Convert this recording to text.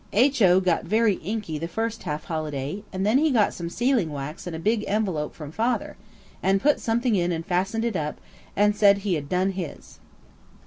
H.O. got very inky the first half holiday, and then he got some sealing wax and a big envelope from Father, and put something in and fastened it up, and said he had done his.